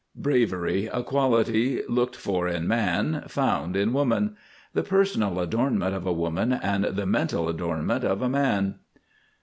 BRAVERY. A quality looked for in man, found in woman. The personal adornment of a woman and the mental adornment of a man.